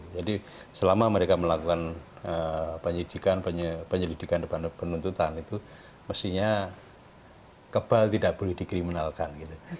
jadi selama mereka melakukan penyelidikan depan penuntutan itu mestinya kebal tidak boleh dikriminalkan